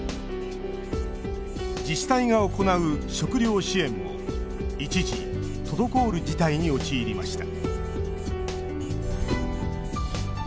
自治体が行う食料支援も一時、滞る事態に陥りました